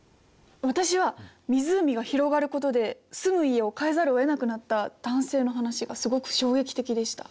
私は湖が広がることで住む家を替えざるをえなくなった男性の話がすごく衝撃的でした。